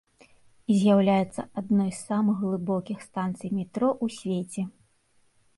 З'яўляецца адной з самых глыбокіх станцый метро ў свеце.